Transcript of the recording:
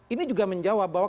ini juga menjawab bahwa